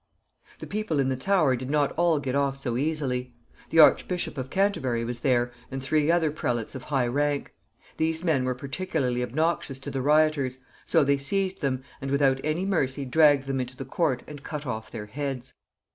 The people in the Tower did not all get off so easily. The Archbishop of Canterbury was there, and three other prelates of high rank. These men were particularly obnoxious to the rioters, so they seized them, and without any mercy dragged them into the court and cut off their heads.